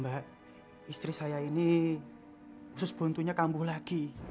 gak bisa jauh itu ikut